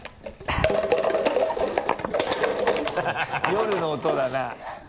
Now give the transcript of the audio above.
夜の音だな。